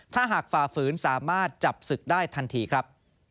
ถ้าหากฝ่าฝืนสามารถจับศึกได้ทันทีครับ